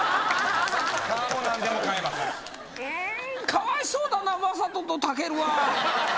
かわいそうだな魔裟斗と武尊は。